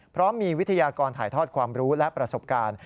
เพราะมีวิทยากรถ่ายทอดความรู้และประสบการณ์